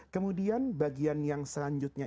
kemudian bagian yang selanjutnya